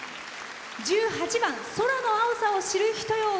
１８番の「空の青さを知る人よ」